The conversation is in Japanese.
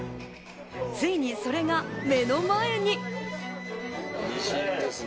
ついにそれが目の前に。